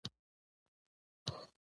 باسواده میندې د ماشومانو ملګري پیژني.